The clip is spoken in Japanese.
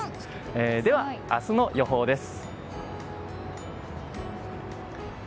では、明日の予報です。